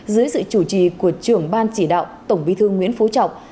dưới sự chủ trì của trưởng ban chỉ đạo tổng bí thư nguyễn phú trọng